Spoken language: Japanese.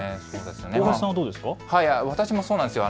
大橋さんはどうですか。